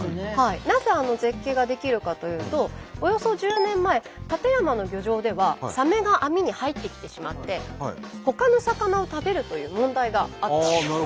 なぜあの絶景が出来るかというとおよそ１０年前館山の漁場ではサメが網に入ってきてしまってほかの魚を食べるという問題があったんです。